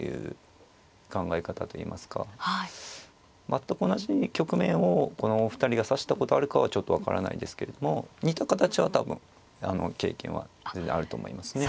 全く同じ局面をこのお二人が指したことあるかはちょっと分からないですけれども似た形は多分経験はあると思いますね。